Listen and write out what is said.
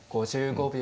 ５５秒。